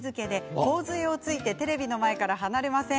ほおづえをついてテレビの前から離れません。